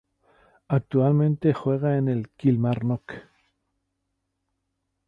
Actualmente juega en el Kilmarnock.